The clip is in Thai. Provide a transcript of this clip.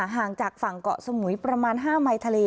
ห่างจากฝั่งเกาะสมุยประมาณ๕ไมล์ทะเล